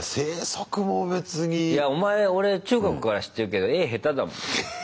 いやお前俺中学から知ってるけど絵下手だもん。